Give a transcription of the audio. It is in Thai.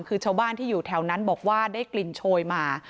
คือชาวบ้านที่อยู่แถวนั้นบอกว่าได้กลิ่นโชยมา